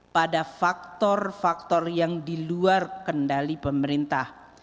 pada faktor faktor yang diluar kendali pemerintah